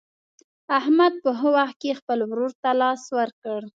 احمد په ښه وخت کې خپل ورور ته لاس ورکړ.